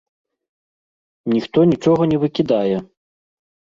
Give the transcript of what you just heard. Ніхто нічога не выкідае!